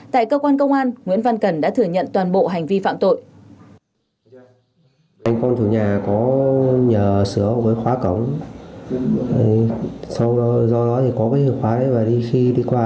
tại cơ quan công an nguyễn văn cần đã thừa nhận toàn bộ hành vi phạm tội